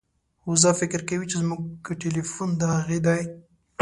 وزه فکر کوي چې زموږ ټیلیفون د هغې دی.